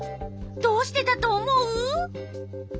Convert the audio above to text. どうしてだと思う？